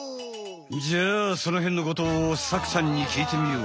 じゃあそのへんのことをサクさんにきいてみよう。